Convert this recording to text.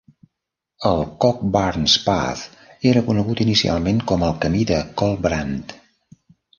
El Cockburnspath era conegut inicialment com el "Camí de Kolbrand".